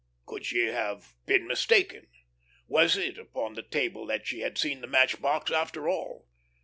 Could she have been mistaken? Was it upon the table that she had seen the match box after all?